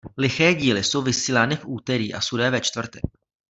Liché díly jsou vysílány v úterý a sudé ve čtvrtek.